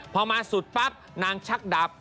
พอมาสุดปั๊บนางชักดับ